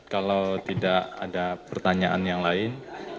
kalau tidak ada pertanyaan yang lain